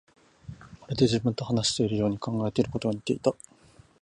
まるで自分と話しているように、考えていることが似ていた